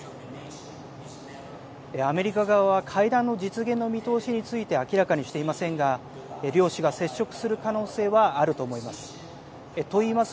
アメリカ側は会談の実現の見通しについて明らかにしていませんが両氏が接触する可能性はあると思います。